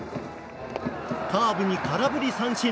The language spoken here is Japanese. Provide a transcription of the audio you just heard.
カーブに空振り三振。